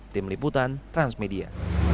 tim liputan transmedia